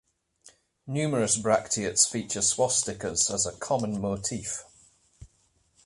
Numerous Bracteates feature swastikas as a common motif.